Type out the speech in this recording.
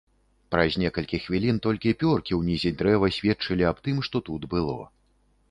Праз некалькі хвілін толькі пёркі ў нізе дрэва сведчылі аб тым, што тут было.